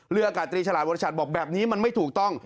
อากาศตรีฉลาดวรชัดบอกแบบนี้มันไม่ถูกต้อง